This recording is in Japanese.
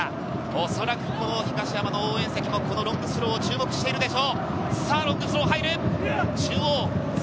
恐らくこの東山の応援席もこのロングスローを注目していることでしょう。